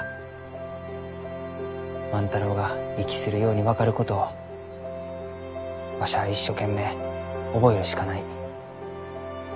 万太郎が息するように分かることをわしは一生懸命覚えるしかない。